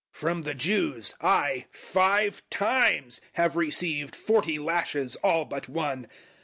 011:024 From the Jews I five times have received forty lashes all but one.